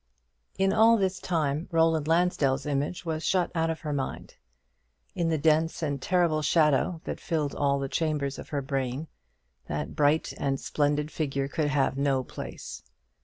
In all this time Roland Lansdell's image was shut out of her mind. In the dense and terrible shadow that filled all the chambers of her brain, that bright and splendid figure could have no place.